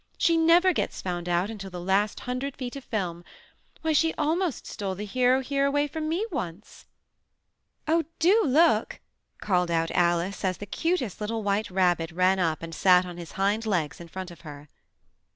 She never gets found out until the last hundred feet of film. Why, she almost stole the hero here away from me once." "Oh, do look!" called out Alice as the cutest little white rabbit ran up and sat on his hind legs in front of her.